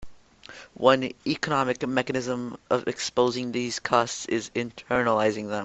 One economic mechanism of exposing these costs is internalizing them.